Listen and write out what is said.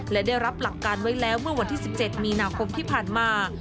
และได้รับหลักการไว้แล้วเมื่อวันที่๑๗มีนาคมที่ผ่านมา